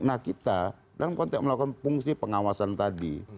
nah kita dalam konteks melakukan fungsi pengawasan tadi